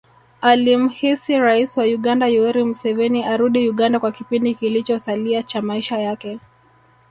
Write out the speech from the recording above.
Alimsihi rais wa Uganda Yoweri Museveni arudi Uganda kwa kipindi kilichosalia cha maisha yake